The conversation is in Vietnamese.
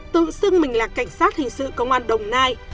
tự xưng mình là cảnh sát hình sự công an đồng nai